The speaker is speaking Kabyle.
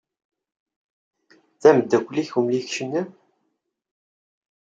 D ameddakel-ik umlikec-nni?